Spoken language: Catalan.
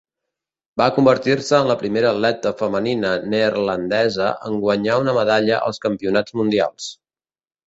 Va convertir-se en la primera atleta femenina neerlandesa en guanyar una medalla als Campionats Mundials.